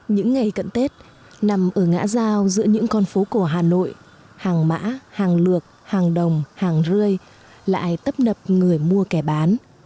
những ngày cận tết nằm ở ngã giao giữa những con phố cổ hà nội hàng mã hàng lược hàng đồng hàng rươi lại tấp nập người mua kẻ bán